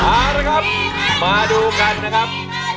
เอาละครับมาดูกันนะครับ